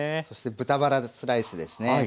そして豚バラスライスですね。